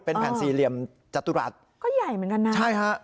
เป็นแผ่นสี่เหลี่ยมจตุรัสก็ใหญ่เหมือนกันนะใช่ฮะ